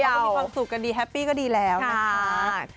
แต่พวกมันมีความสุขก็ดีแฮปปี้ก็ดีแล้วนะคะ